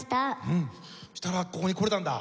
うんそしたらここに来られたんだ。